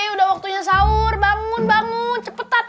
udah waktunya sahur bangun bangun cepetan